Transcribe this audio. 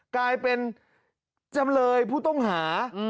กลายเป็นจำเลยผู้ต้องหา